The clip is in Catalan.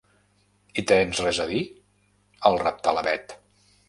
Hi tens res a dir? —el reptà la Bet.